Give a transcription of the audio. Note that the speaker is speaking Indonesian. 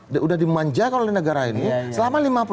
sudah dimanjakan oleh negara ini selama lima puluh tahun